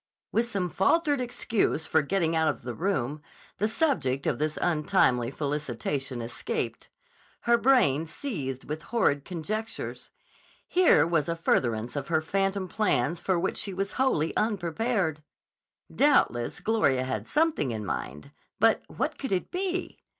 With some faltered excuse for getting out of the room, the subject of this untimely felicitation escaped. Her brain seethed with horrid conjectures. Here was a furtherance of her phantom plans for which she was wholly unprepared. Doubtless Gloria had something in mind; but what could it be?